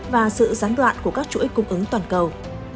và sự gián đoạn của các chuỗi cung ứng toàn cầu